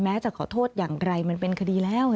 จะขอโทษอย่างไรมันเป็นคดีแล้ว